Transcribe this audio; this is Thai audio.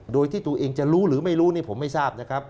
โดยที่ตัวเองจะรู้หรือไม่รู้นี่ผมไม่ทราบนะครับ